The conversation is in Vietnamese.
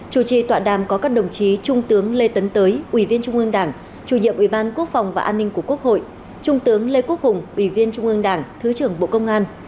chủ trì tọa đàm có các đồng chí trung tướng lê tấn tới ubnd chủ nhiệm ubnd của quốc hội trung tướng lê quốc hùng ubnd thứ trưởng bộ công an